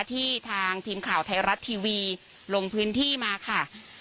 ที่ทางทีมข่าวไทยรัฐทีวีลงพื้นที่มาค่ะ